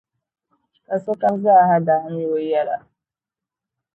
Ka sokam zaaha daa mi o yɛla.